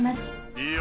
いいよ。